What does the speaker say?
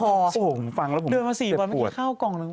โอ้โหผมฟังแล้วบอกเดินมา๔วันเมื่อกี้ข้าวกล่องนึง